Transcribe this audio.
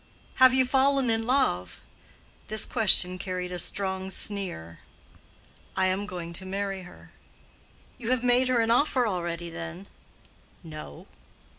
"Have you fallen in love?" This question carried a strong sneer. "I am going to marry her." "You have made her an offer already, then?" "No."